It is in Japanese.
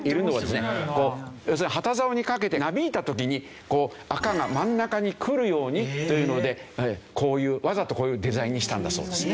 要するに旗竿にかけてなびいた時に赤が真ん中に来るようにというのでこういうわざとこういうデザインにしたんだそうですね。